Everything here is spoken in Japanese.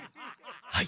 はい。